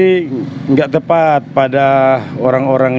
tidak tepat pada orang orang